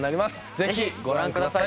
ぜひご覧ください。